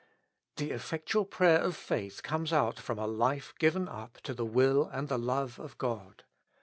The effectual prayer of faith comes out from a life given up to the will and the love of God.